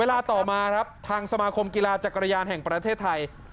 ต่อมาครับทางสมาคมกีฬาจักรยานแห่งประเทศไทย